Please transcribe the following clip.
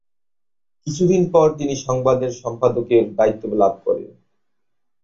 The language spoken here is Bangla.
কিছুদিন পর তিনি সংবাদের সম্পাদকের দায়িত্ব লাভ করেন।